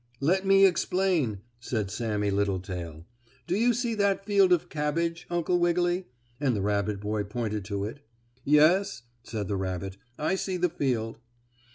"Let me explain," said Sammie Littletail. "Do you see that field of cabbage, Uncle Wiggily?" and the rabbit boy pointed to it. "Yes," said the rabbit, "I see the field."